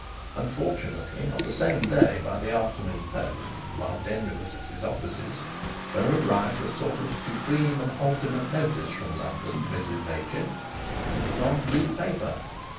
Unfortunately, on the same day, by the afternoon post, while Denry was at his offices, there arrived a sort of supreme and ultimate notice from London to Mrs Machin, and it was on blue paper.